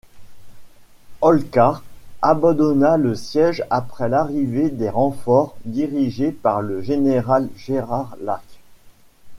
Holkar abandonna le siège après l'arrivée des renforts dirigés par le général Gerard Lake.